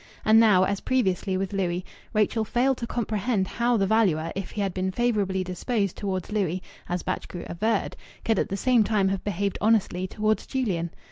And now, as previously with Louis, Rachel failed to comprehend how the valuer, if he had been favourably disposed towards Louis, as Batchgrew averred, could at the same time have behaved honestly towards Julian.